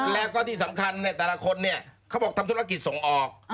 แล้วก็ที่สำคัญเนี่ยแต่ละคนเนี่ยเขาบอกทำธุรกิจส่งออก